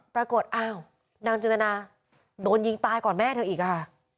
ปรากฏอ้าวนางจินตนาโดนยิงตายก่อนแม่เธออีกค่ะ